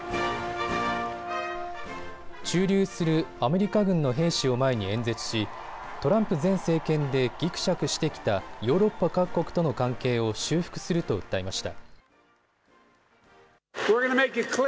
駐留するアメリカ軍の兵士を前に演説しトランプ前政権でぎくしゃくしてきたヨーロッパ各国との関係を修復すると訴えました。